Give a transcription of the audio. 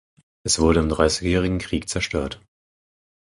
Es wurde im Dreißigjährigen Krieg zerstört.